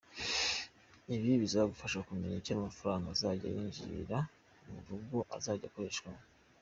Ibi bizagufasha kumenya icyo amafaranga azajya yinjira mu rugo azajya akoreshwamo.